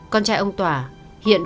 con trai ông tỏa hiện